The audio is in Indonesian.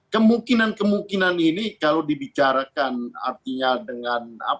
kemungkinan kemungkinan ini kalau dibicarakan artinya dengan